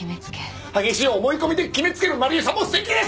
激しい思い込みで決めつける真理絵さんも素敵です！